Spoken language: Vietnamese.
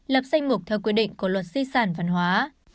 lập danh mục theo quy định của luật di sản văn hóa